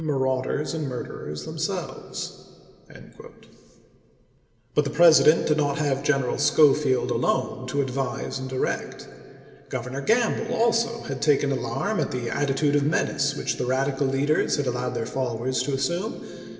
marauders and miu'derers themselves. Gamble to Lincolu, Oct. 1, 1863. MS. But the President did not have General Schofield alone to advise and direct. Grovernor G amble also had taken alarm at the attitude of menace which the Radical leaders had allowed their followers to assume.